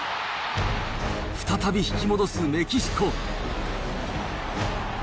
再び引き戻すメキシコ。